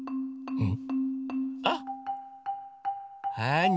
うん。